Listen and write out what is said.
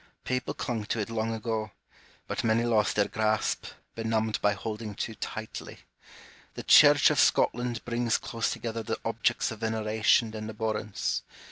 People clung to it long ago ; but many lost their grasp, benumbed by holding too tightly. The Church of Scotland brings close together the objects of veneration and abhorrence.